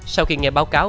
sau khi nghe báo cáo